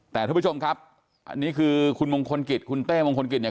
แต่ทุกผู้ชมครับอันนี้คือคุณมงคลกิจคุณเต้มงคลกิจเนี่ย